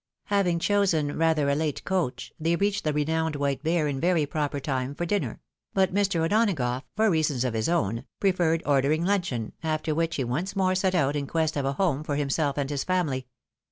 Having chosen rather a late coach, they reached the renowned White Bear in very proper time for dinner ; but Mr. O'Donagough, for reasons of Ms own, pre ferred ordering limcheon, after which he once more set out in quest of a home for himself and his family.